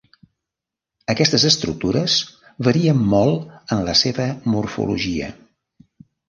Aquestes estructures varien molt en la seva morfologia.